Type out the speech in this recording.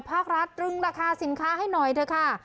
ภาครัฐตรึงราคาสินค้าให้หน่อยเถอะค่ะ